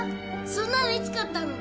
そんなのいつ買ったの？